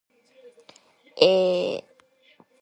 持有的现金多于借入资金的状态